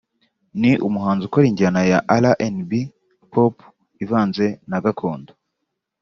Ni umuhanzi ukora injyana ya RnB/Pop ivanze na Gakondo